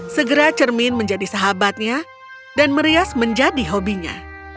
segera cermin menjadi sahabatnya dan merias menjadi hobinya